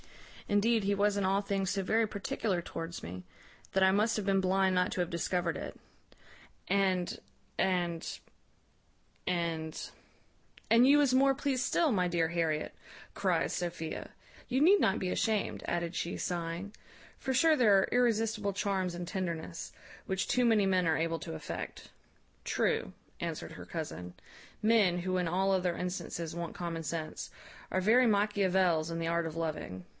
Indeed he was in all things so very particular towards me, that I must have been blind not to have discovered it. And, and, and " "And you was more pleased still, my dear Harriet," cries Sophia; "you need not be ashamed," added she, sighing; "for sure there are irresistible charms in tenderness, which too many men are able to affect." "True," answered her cousin; "men, who in all other instances want common sense, are very Machiavels in the art of loving.